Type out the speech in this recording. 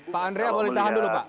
pak andrea boleh ditahan dulu pak